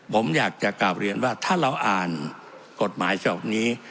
ผมอยากจะกลับเรียนว่าถ้าเราอ่านกฎหมายฉบับนี้